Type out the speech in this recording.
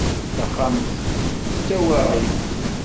Taxxamt d tawaɣit.